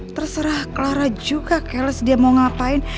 terserah clara juga cales dia mau ngapain